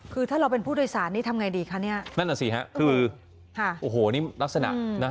คือถ้าเราเป็นผู้โดยสารนี่ทำไงดีคะเนี่ยนั่นน่ะสิฮะคือค่ะโอ้โหนี่ลักษณะนะ